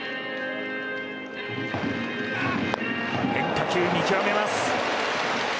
変化球、見極めます。